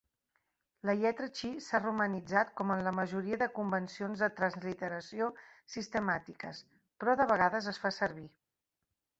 La lletra Chi s'ha romanitzat com en la majoria de convencions de transliteració sistemàtiques, però de vegades es fa servir.